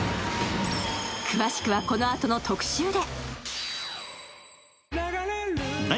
詳しくはこのあとの特集で。